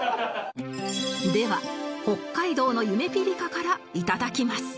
では北海道の「ゆめぴりか」から頂きます